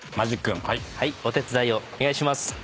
お手伝いをお願いします。